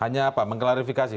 hanya apa mengklarifikasi